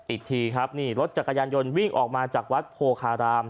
อีกทีครับนี่รถจักรยานยนต์วิ่งออกมาจากวัดโพคาราม